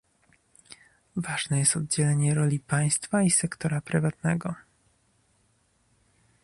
Ważne jest oddzielenie roli państwa i sektora prywatnego